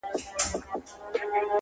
زموږ د پلار او دنیکه په مقبره کي.